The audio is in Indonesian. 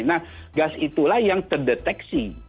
nah gas itulah yang terdeteksi